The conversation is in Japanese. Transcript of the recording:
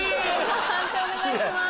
判定お願いします。